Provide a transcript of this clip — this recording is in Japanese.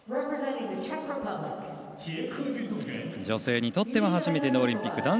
女性にとっては初めてのオリンピック。